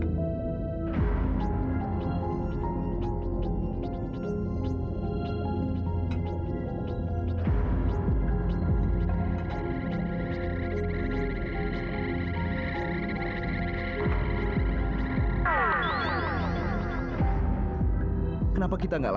jarak mengetuk kulit di udhanya